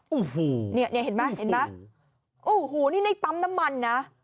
โอ้โหนี่เห็นไหมโอ้โหนี่ในปั๊มน้ำมันนะ